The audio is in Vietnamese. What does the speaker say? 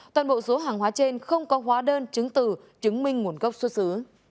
toàn bộ số hàng hóa trên không có hóa đơn chứng từ chứng minh nguồn gốc xuất xứ